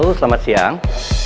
halo selamat siang